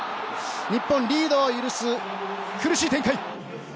日本、リードを許す苦しい展開。